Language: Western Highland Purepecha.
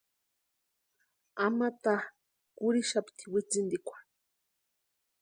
Ama taa kurhixapti witsintikwa.